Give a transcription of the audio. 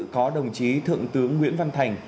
có đồng chí thượng tướng nguyễn văn thành